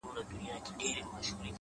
خود دي خالـونه پــه واوښتــل!